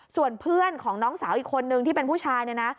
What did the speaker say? ส่วนเพื่อนของน้องสาวอีกคนนึงที่เป็นผู้ชายเนี่ยนะ